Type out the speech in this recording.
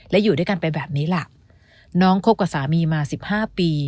และอยู่ด้วยกันไปแบบนี้ล่ะน้องคบกับสามีมาสิบห้าปี